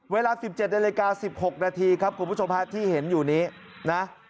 เวลา๑๗นาฬิกา๑๖นาทีครับคุณผู้ชมฮะที่เห็นอยู่นี้นะ